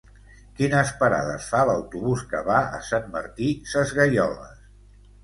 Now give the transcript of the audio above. Quines parades fa l'autobús que va a Sant Martí Sesgueioles?